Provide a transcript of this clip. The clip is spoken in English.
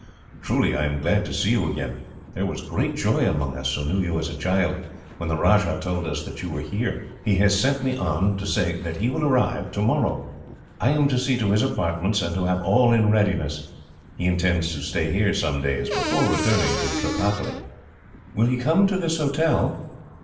Truly I am glad to see you again. There was great joy among us, who knew you as a child, when the Rajah told us that you were here. He has sent me on to say that he will arrive, tomorrow. I am to see to his apartments, and to have all in readiness. He intends to stay here, some days, before returning to Tripataly." "Will he come to this hotel?"